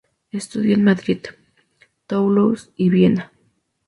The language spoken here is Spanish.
Estudió en Madrid, Toulouse y Viena.